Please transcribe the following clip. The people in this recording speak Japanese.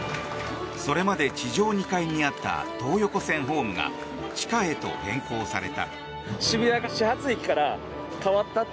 それまで地上２階にあった東横線ホームが地下へと変更された。